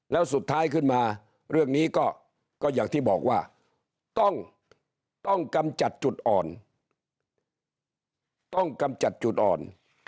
แล้วสุดท้ายขึ้นมาเรื่องนี้ก็อย่างที่บอกว่าต้องกำจัดจุดอ่อน